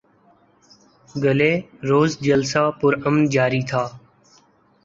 گلے روز جلسہ پر امن جاری تھا